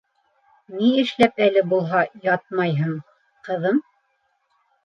— Ни эшләп әле булһа ятмайһың, ҡыҙым?